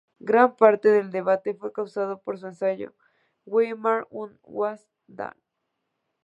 Gran parte del debate fue causado por su ensayo "Weimar und was dann?